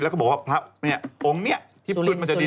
แล้วก็บอกว่าพระเนี่ยองค์นี้ที่ปืนมันจะดี